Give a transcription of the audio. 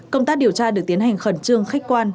công tác điều tra được tiến hành khẩn trương khách quan